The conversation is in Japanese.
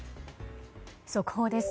速報です。